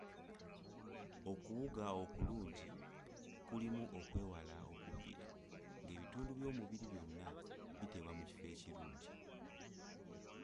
Okuwuga okulungi kulimu okwewala okubbira ng'ebitundu by'omubiri byonna biteebwa mu kifo ekirungi.